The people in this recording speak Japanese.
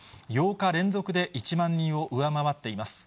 ８日連続で１万人を上回っています。